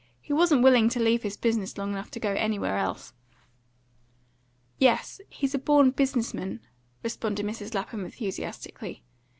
He wasn't willing to leave his business long enough to go anywhere else." "Yes, he's a born business man," responded Mrs. Lapham enthusiastically.